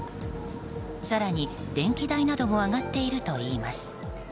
更に、電気代なども上がっているといいます。